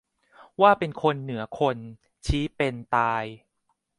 ว่าเป็นคน เหนือคน ชี้เป็น-ตาย